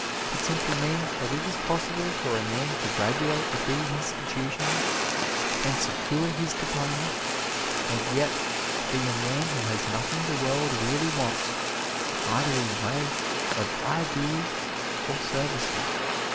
It simply means that it is possible for a man to graduate at these institutions and secure his diploma and yet be a man who has nothing the world really wants, either in way of ideas or services.